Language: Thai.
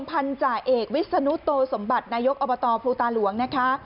พันธาเอกวิศนุโตสมบัตินายกอบตภูตาหลวงนะคะ